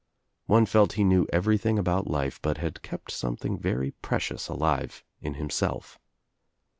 One felt he knew everything about life but had kept some thing very precious alive in himself.